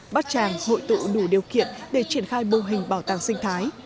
bát tràng hội tụ đủ điều kiện để triển khai mô hình bảo tàng sinh thái